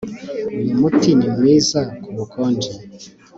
uyu muti ni mwiza kubukonje